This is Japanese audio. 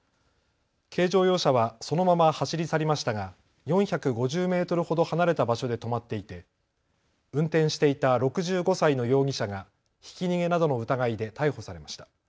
軽乗用車はそのまま走り去りましたが４５０メートルほど離れた場所で止まっていて運転していた６５歳の容疑者がひき逃げなどの疑いで逮捕されました。